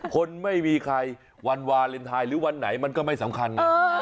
คนไม่มีใครวันวาเลนไทยหรือวันไหนมันก็ไม่สำคัญไง